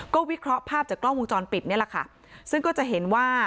ก็วิเคราะห์ภาพจากกล้องวงจรปิดนี่แหละค่ะซึ่งก็จะเห็นว่า